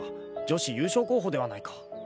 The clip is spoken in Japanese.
女子優勝候補ではないか